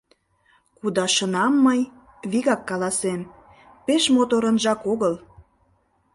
Кудашынам мый, вигак каласем, пеш моторынжак огыл.